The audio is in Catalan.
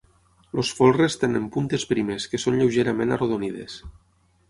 Els folres tenen puntes primes, que són lleugerament arrodonides.